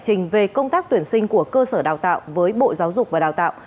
trình về công tác tuyển sinh của cơ sở đào tạo với bộ giáo dục và đào tạo